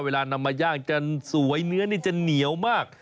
เวลานำมาย่างจนสวยเนื้อนี่จะเหนียวมาก